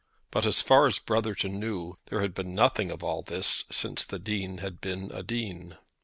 But, as far as Brotherton knew, there had been nothing of all this since the Dean had been a dean.